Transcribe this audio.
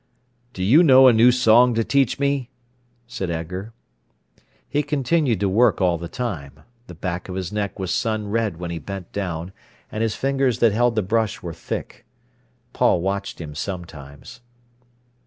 "Do you know a new song to teach me?" said Edgar. He continued to work all the time. The back of his neck was sun red when he bent down, and his fingers that held the brush were thick. Paul watched him sometimes.